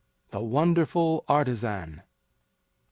THE WONDERFUL ARTISAN. I.